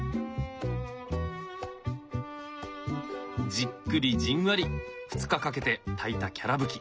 じっくりじんわり２日かけて炊いたきゃらぶき。